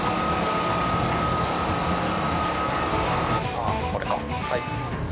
ああこれかはい。